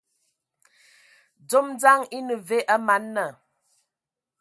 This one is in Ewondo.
Ndom dzaŋ ene ve a man nna?